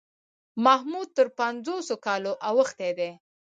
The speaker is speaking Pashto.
محمود تر پنځوسو کالو اوښتی دی.